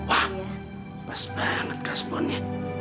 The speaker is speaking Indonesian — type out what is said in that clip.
wah pas banget gasponnya